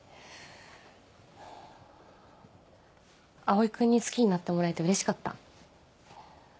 蒼君に好きになってもらえてうれしかった。